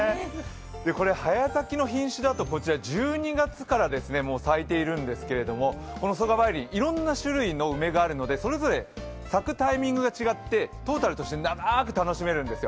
これは早咲きの品種だと１２月からもう咲いているんですけどこの曽我梅林、いろんな種類の梅があるのでそれぞれ咲くタイミングが違ってトータルとして長く楽しめるんですよ。